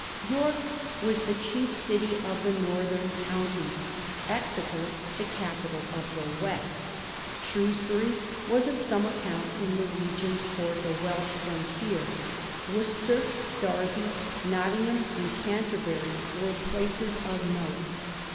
York was the chief city of the Northern <x)unties ; Exeter the capital of the West. Shrews bury was of some account in the region towards the Welsh frontier. Worcester, Derby, Nottingham, and €anterbury were places of note.